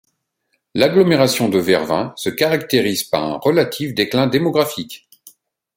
L'agglomération de Vervins se caractérise par un relatif déclin démographique.